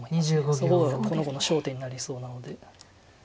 そこがこの碁の焦点になりそうなので。